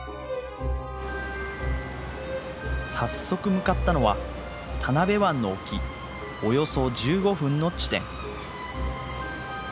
早速向かったのは田辺湾の沖およそ１５分の地点。